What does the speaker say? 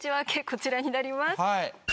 こちらになります。